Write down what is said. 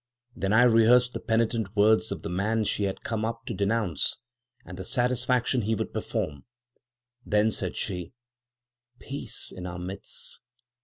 Then I rehearsed the penitent words of the man she had come up to denounce, and the satisfaction he would perform. Then said she, 'Peace in our midst.'